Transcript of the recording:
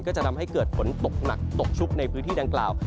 ก็จะทำให้เกิดฝนตกหนักตกชุกในพื้นที่ดังกล่าว